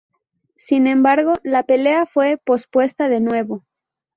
Sin embargo, la pelea fue pospuesta de nuevo.